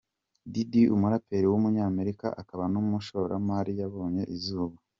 Diddy, umuraperi w’umunyamerika akaba n’umushoramari yabonye izuba.